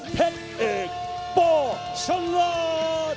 เผ็ดอิกบอร์ชะลาด